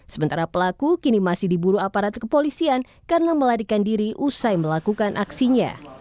sementara pelaku kini masih diburu aparat kepolisian karena melarikan diri usai melakukan aksinya